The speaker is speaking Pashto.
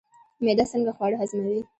معده څنګه خواړه هضموي؟